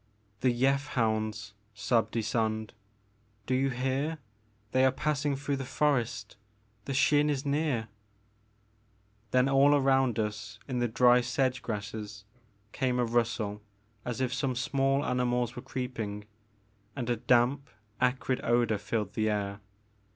*'The Yeth hounds!'' sobbed Ysonde, ^Mo you hear !— they are passing through the forest ! The Xin is near !'' Then all around us in the dry sedge grasses came a rustle as if some small animals were creeping, and a damp acrid odor filled the air.